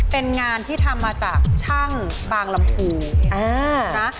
เป็นงานที่ทำมาจากช่างบางลำพูนะ